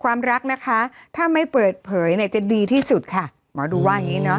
ความรักนะคะถ้าไม่เปิดเผยเนี่ยจะดีที่สุดค่ะหมอดูว่าอย่างงี้เนอะ